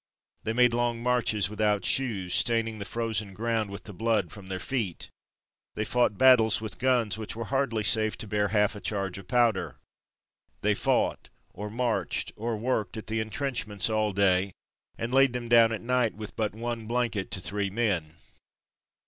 They made long marches without shoes, staining the frozen ground with the blood from their feet. They fought battles with guns which were hardly safe to bear half a charge of powder. They fought, or marched, or worked at the intrenchments all day, and laid them down at night with but one blanket to three men.